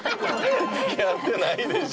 付き合ってないでしょ。